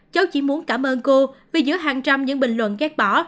cháu chỉ muốn cảm ơn cô vì giữa hàng trăm những bình luận ghét bỏ